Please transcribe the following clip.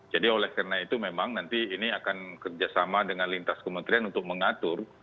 jadi oleh karena itu memang nanti ini akan kerjasama dengan lintas kementerian untuk mengatur